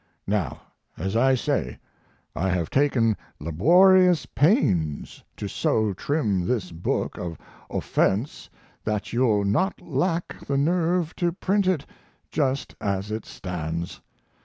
Now, as I say, I have taken laborious pains to so trim this book of offense that you'll not lack the nerve to print it just as it stands.